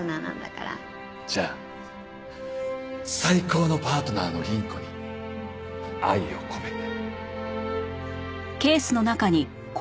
じゃあ最高のパートナーの倫子に愛を込めて。